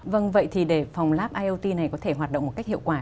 vâng vậy thì để phòng lab iot này có thể hoạt động một cách hiệu quả